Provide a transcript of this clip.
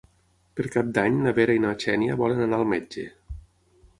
Per Cap d'Any na Vera i na Xènia volen anar al metge.